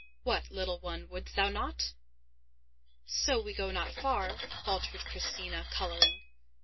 What, little one, wouldst thou not?" "So we go not far," faltered Christina, colouring.